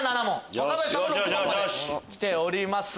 若林さんも６問まできております。